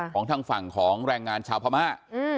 ของทางฝั่งของแรงงานชาวพม่า